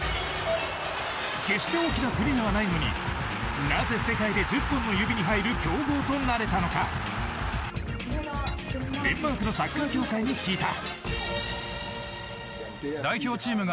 決して大きな国ではないのになぜ世界で１０本の指に入る強豪となれたのかデンマークのサッカー協会に聞いた。